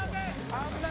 危ない！